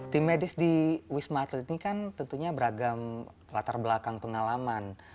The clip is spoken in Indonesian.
tim medis di wisma atlet ini kan tentunya beragam latar belakang pengalaman